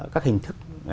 các hình thức